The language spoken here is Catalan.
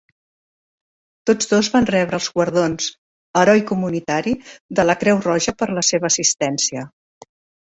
Tots dos van rebre els guardons "Heroi Comunitari" de la Creu Roja per la seva assistència.